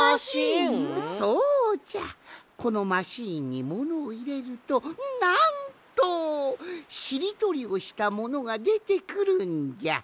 このマシーンにものをいれるとなんとしりとりをしたものがでてくるんじゃ。